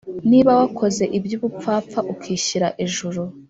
Niba wakoze iby ubupfapfa ukishyira ejuru